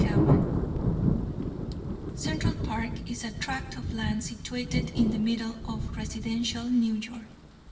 CHAPTER XXX Central Park is a tract of land situate in the middle of residential New York.